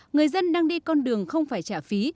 người dân đang đi con đường không phải trả phí